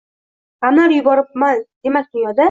G‘amlar yuboribsan, demak, dunyoda